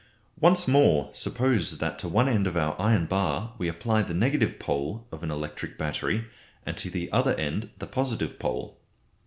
_] Once more, suppose that to one end of our iron bar we apply the negative "pole" of an electric battery, and to the other end the positive pole.